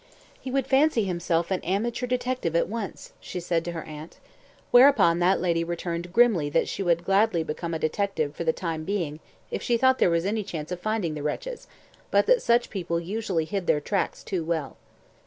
"He would fancy himself an amateur detective at once," she said to her aunt. Whereupon that lady returned grimly she would gladly become a detective for the time being if she thought there was any chance of finding the wretches, but that such people usually hid their tracks too well.